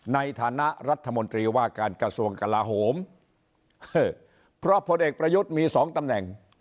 ในฐานะรัฐมนตรีว่าการกระทรวงกลาโหมเพราะพลเอกประยุทธ์มีสองตำแหน่ง